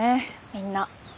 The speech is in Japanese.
みんな。